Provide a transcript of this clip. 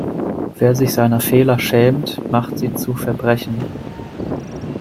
Wer sich seiner Fehler schämt, macht sie zu Verbrechen.